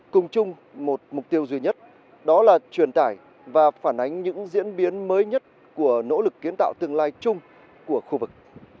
cùng chung một mục tiêu duy nhất đó là truyền tải và phản ánh những diễn biến mới nhất của nỗ lực kiến tạo tương lai chung của khu vực